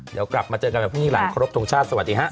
เดี๋ยวกลับมาเจอกันกับพี่นี่หลังครบทุกชาติสวัสดีครับ